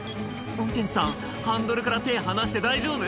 運転手さんハンドルから手離して大丈夫？